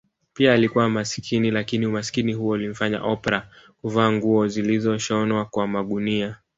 Pia alikuwa masikini lakini Umasikini huo ulimfanya Oprah kuvaa nguo zilizoshonwa kwa magunia